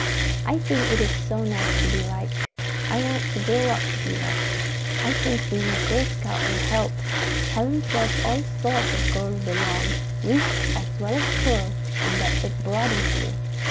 "I think it is so nice to be liked. I want to grow up to be liked. I think being a Girl Scout will help. Helen says all sorts of girls belong, rich as well as poor, and that it broadens you.